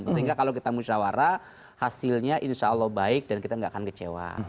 maka kalau kita musyawarah hasilnya insya allah baik dan kita gak akan kecewa